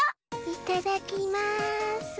いただきます。